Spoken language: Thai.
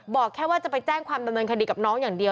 บอกแค่ว่าจะไปแจ้งความดำเนินคดีกับน้องอย่างเดียว